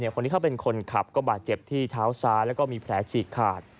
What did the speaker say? คนที่เขาเป็นคนขับก็บาดเจ็บที่เท้าซ้ายแล้วก็มีแผลฉีกขาด